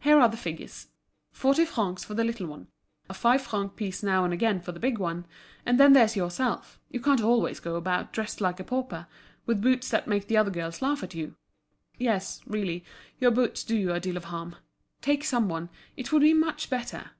Here are the figures: forty francs for the little one, a five franc piece now and again for the big one; and then there's yourself, you can't always go about dressed like a pauper, with boots that make the other girls laugh at you; yes, really, your boots do you a deal of harm. Take some one, it would be much better."